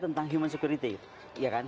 tentang human security ya kan